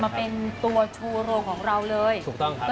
มาเป็นตัวทูโรคของเราเลย